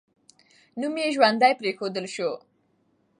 نوم یې ژوندی پرېښودل سو.